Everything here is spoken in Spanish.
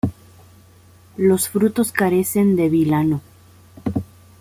Los frutos carecen de vilano.